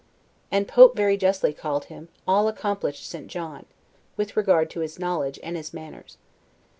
And Pope very justly called him "All accomplished St. John," with regard to his knowledge and his manners.